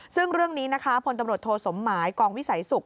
ซึ่งเรื่องนี้นะคะพลตำรวจโทสมหมายกองวิสัยสุข